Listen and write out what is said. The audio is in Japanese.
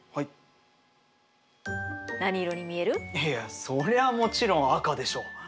いやそりゃもちろん赤でしょう。